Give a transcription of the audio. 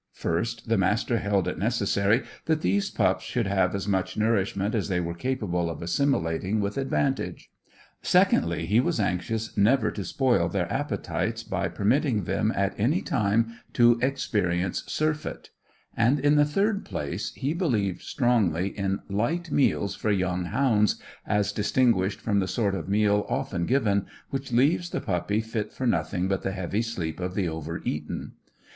First, the Master held it necessary that these pups should have as much nourishment as they were capable of assimilating with advantage; secondly, he was anxious never to spoil their appetites by permitting them at any time to experience surfeit; and, in the third place, he believed strongly in light meals for young hounds, as distinguished from the sort of meal often given, which leaves the puppy fit for nothing but the heavy sleep of the overeaten.